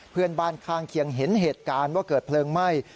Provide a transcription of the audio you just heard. เพื่อนบ้านข้างเคียงเห็นเหตุการณ์ว่าเกิดเพลิงไหม้